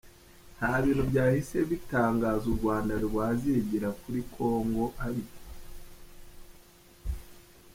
Nti bintu byahise bitangazwa u rwanda rwazigirakuri Congo ariko .